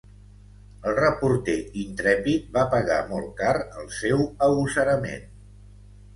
El reporter intrèpid va pagar molt car el seu agosarament.